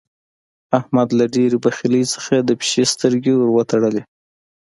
احمد له ډېرې بخيلۍ څخه د پيشي سترګې ور تړي.